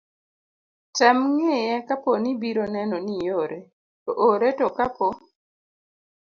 tem ng'iye kapo ni ibiro neno ni iore, to ore to kapo